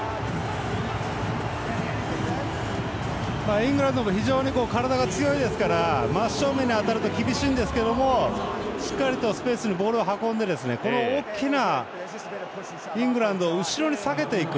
イングランドも非常に体が強いですから真っ正面に当たると厳しいんですけどもしっかりとスペースにボールを運んで大きなイングランドを後ろに下げていく。